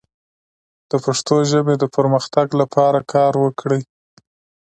د پښتو ژبې د پرمختګ لپاره کار وکړئ.